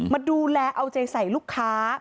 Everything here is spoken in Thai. มาดูแลเอาใจใส่ลูกค้า